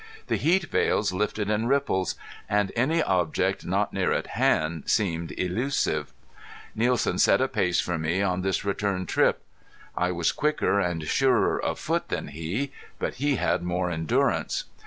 The heat veils lifted in ripples, and any object not near at hand seemed illusive. Nielsen set a pace for me on this return trip. I was quicker and surer of foot than he, but he had more endurance.